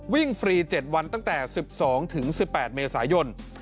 วิ่งฟรี๗วันตั้งแต่๑๒๑๘เมษายน